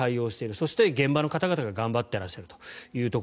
そして、現場の方々が頑張っていらっしゃると。